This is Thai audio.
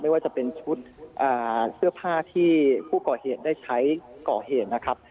ว่าจะเป็นชุดเสื้อผ้าที่ผู้ก่อเหตุได้ใช้ก่อเหตุนะครับ